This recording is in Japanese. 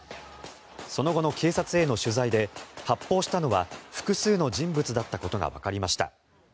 その後の警察への取材で発砲したのは複数の人物だったことがわかりました。